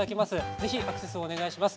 ぜひアクセスお願いします。